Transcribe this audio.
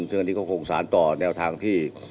ซึ่งอันนี้ก็คงสารต่อแนวทางที่